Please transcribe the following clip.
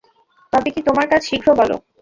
তবে কী তোমার কাজ, শীঘ্র বলো।